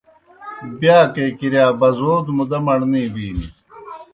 بِیاکے کِرِیا بَزَودوْ مُدا مڑنے بِینوْ۔